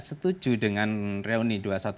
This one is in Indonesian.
setuju dengan reuni dua ratus dua belas